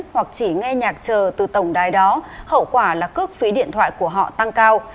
hoặc chỉ nghe nhạc chờ từ tổng đài đó hậu quả là cước phí điện thoại của họ tăng cao